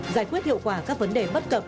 giải quyết hiệu quả các vấn đề bất cập